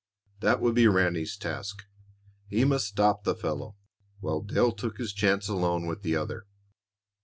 That would be Ranny's task. He must stop the fellow, while Dale took his chance alone with the other.